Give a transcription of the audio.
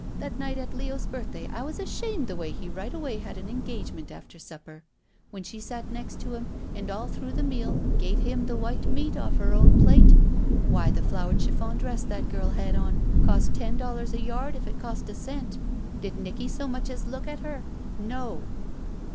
That night at Leo's birthday I was ashamed the way he right away had an engagement after supper, when she sat next to him and all through the meal gave him the white meat off her own plate. Why, the flowered chiffon dress that girl had on cost ten dollars a yard if it cost a cent. Did Nicky so much as look at her? No."